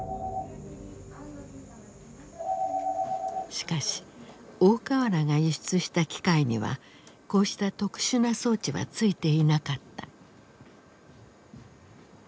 しかし大川原が輸出した機械にはこうした特殊な装置はついていなかった。